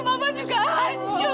mama juga hancur